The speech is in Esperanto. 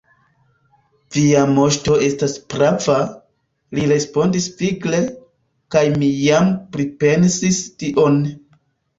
Via moŝto estas prava, li respondis vigle, kaj mi jam pripensis tion.